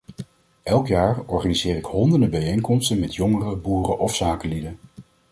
Elk jaar organiseer ik honderden bijeenkomsten met jongeren, boeren of zakenlieden.